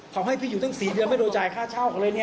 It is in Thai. เขาให้พี่อยู่ตั้ง๔เดือนไม่โดนจ่ายค่าเช่าเขาเลยเนี่ย